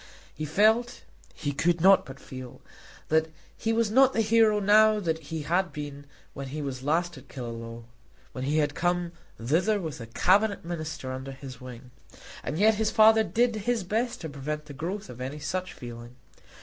He felt, he could not but feel, that he was not the hero now that he had been when he was last at Killaloe, when he had come thither with a Cabinet Minister under his wing. And yet his father did his best to prevent the growth of any such feeling.